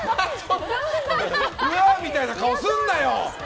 うわあみたいな顔するなよ！